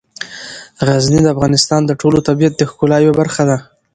غزني د افغانستان د ټول طبیعت د ښکلا یوه برخه ده.